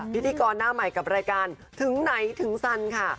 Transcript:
พิธีกรหน้าใหม่กับรายการถึงไหนถึงสันค่ะ